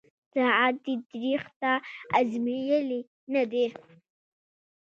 ساعت یې تریخ » تا آزمېیلی نه دی